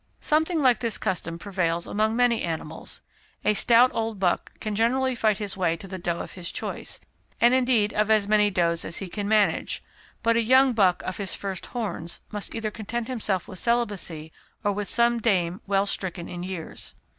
"Something like this custom prevails among many animals. A stout old buck can generally fight his way to the doe of his choice, and indeed of as many does as he can manage; but a young buck 'of his first horns,' must either content himself with celibacy, or with some dame well stricken in years.